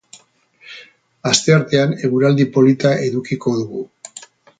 Asteartean eguraldi polita edukiko dugu.